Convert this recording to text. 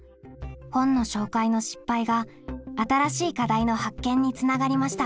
本の紹介の失敗が新しい課題の発見につながりました。